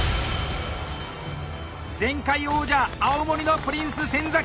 前回王者青森のプリンス・先！